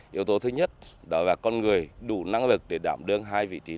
yếu tố thứ nhất là đòi hỏi con người đủ năng lực